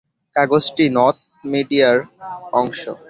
কাগজটি নর্থ মিডিয়ার অংশ।